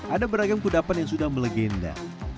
ada beragam kudapan yang sudah melegenda